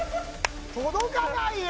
届かないよ